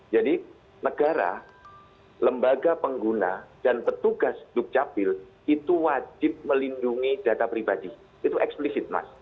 jadi negara lembaga pengguna dan petugas dukcapil itu wajib melindungi data pribadi itu eksplisit mas